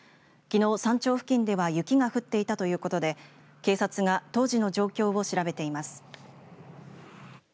きのう山頂付近では雪が降っていたということで警察が当時の状況を調べています。